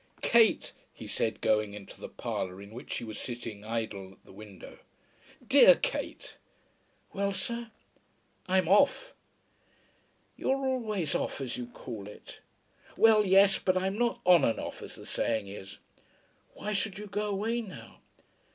"Kate," he said, going into the parlour in which she was sitting idle at the window, "dear Kate." "Well, sir?" "I'm off." "You are always off, as you call it." "Well, yes. But I'm not on and off, as the saying is." "Why should you go away now?"